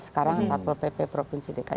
sekarang satpol pp provinsi dki